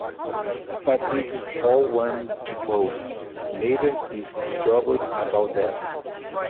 But it is all one to both; neither is troubled about that.